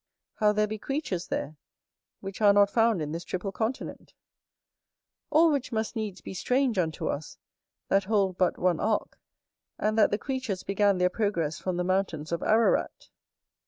How there be creatures there (which are not found in this triple continent). All which must needs be strange unto us, that hold but one ark; and that the creatures began their progress from the mountains of Ararat.